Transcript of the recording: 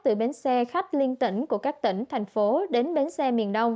từ bến xe khách liên tỉnh của các tỉnh thành phố đến bến xe miền đông